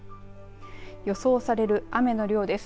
予想される雨の量です。